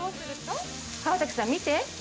川崎さん、見て。